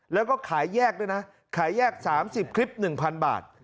แล้วก็ขายแยกด้วยนะขายแยกสามสิบคลิปหนึ่งพันบาท